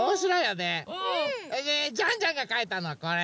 それでジャンジャンがかいたのはこれ。